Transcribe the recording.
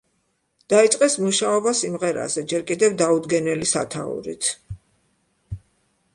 დაიწყეს მუშაობა სიმღერაზე ჯერ კიდევ დაუდგენელი სათაურით.